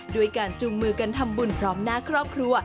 ด้วยการจูงมือกันทำบุญพร้อมหน้าครอบครัว